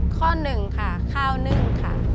ข้อ๑ค่ะข้าวนึ่งค่ะ